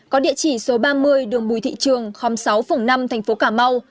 có địa chỉ số ba mươi đường bùi thị trường sáu phùng năm tp cà mau